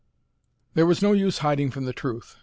] There was no use hiding from the truth.